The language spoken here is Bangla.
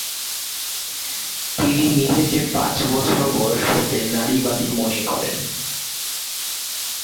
তিনি নিজেকে পাঁচ বছর বয়স হতে নারীবাদী মনে করেন।